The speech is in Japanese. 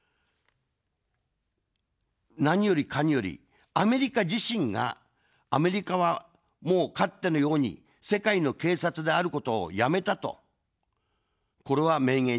何よりかにより、アメリカ自身が、アメリカは、もうかってのように世界の警察であることをやめたと、これは明言しています。